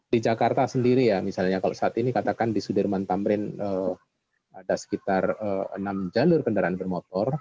di jakarta sendiri ya misalnya kalau saat ini katakan di sudirman tamrin ada sekitar enam jalur kendaraan bermotor